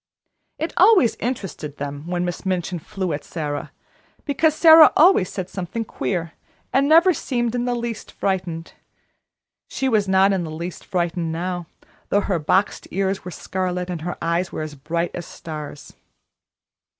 It always interested them when Miss Minchin flew at Sara, because Sara always said something queer, and never seemed in the least frightened. She was not in the least frightened now, though her boxed ears were scarlet, and her eyes were as bright as stars.